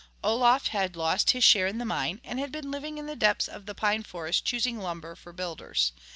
Olof had lost his share in the mine and had been living in the depths of the pine forest choosing lumber for builders.